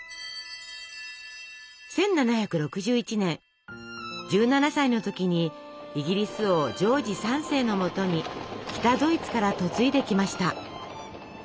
１７６１年１７歳の時にイギリス王ジョージ３世のもとに北ドイツから嫁いできました。